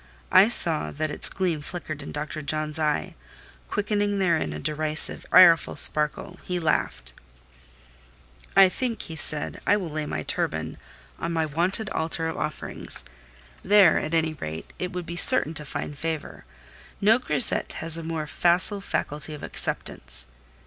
I saw that its gleam flickered in Dr. John's eye—quickening therein a derisive, ireful sparkle; he laughed:—— "I think," he said, "I will lay my turban on my wonted altar of offerings; there, at any rate, it would be certain to find favour: no grisette has a more facile faculty of acceptance.